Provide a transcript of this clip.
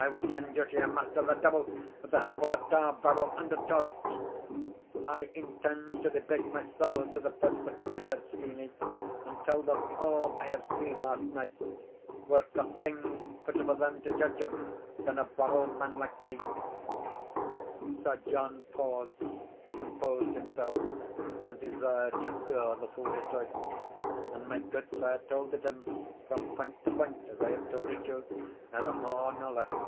"I will send you to your master, the devil, with the help of a tar barrel and a torch!" "I intend to debate mysell to the Presbytery," said Steenie, "and tell them all I have seen last night, whilk are things fitter for them to judge of than a borrel man like me." Sir John paused, composed himsell, and desired to hear the full history; and my gudesire told it him from point to point, as I have told it you neither more nor less.